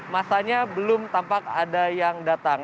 masanya belum tampak ada yang datang